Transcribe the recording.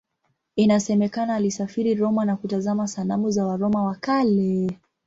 Inasemekana alisafiri Roma na kutazama sanamu za Waroma wa Kale.